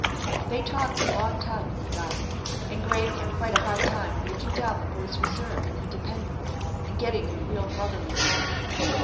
They talked a long time in the dark, and Graham had quite a hard time breaking down the boy's reserve and inde pendence, and getting a real brotherly confidence.